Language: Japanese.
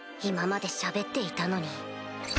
今までしゃべっていたのに。